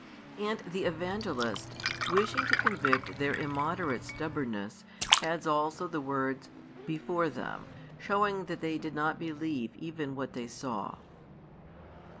And the Evangelist, wishing to convict their immoderate stubbornness, adds also the words: before them; showing that they did not believe even what they saw.